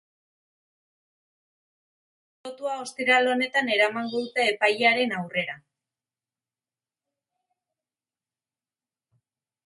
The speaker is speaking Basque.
Atxilotua ostiral honetan eramango dute epailearen aurrera.